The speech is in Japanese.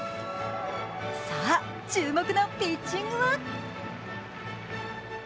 さぁ、注目のピッチングは。